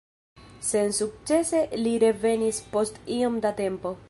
Sensukcese li revenis post iom da tempo.